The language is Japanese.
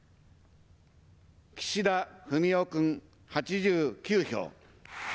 岸田文雄君８９票。